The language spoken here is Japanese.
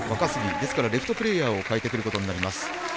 ですからレフトプレーヤーを代えてくることになります。